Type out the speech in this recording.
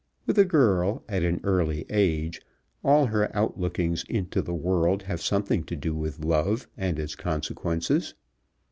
With a girl, at an early age, all her outlookings into the world have something to do with love and its consequences.